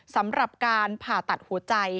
สำหรับการผ่าตัดหัวใจ